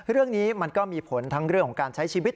เรื่องนี้มันก็มีผลทั้งเรื่องของการใช้ชีวิต